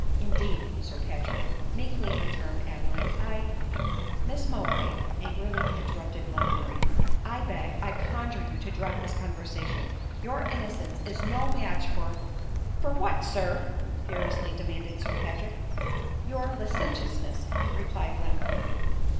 "Indeed, Sir Patrick," meekly returned Adeline, « j »" Miss Mowbray," angrily interrupted Glenmurray, " I beg, I conjure you to drop this conversation ; your innocence is no match for "" For what, Sir ?" furiously demanded Sir Patrick. " Your licentiousness," replied Glenmurray.